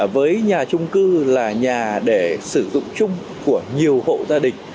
với nhà trung cư là nhà để sử dụng chung của nhiều hộ gia đình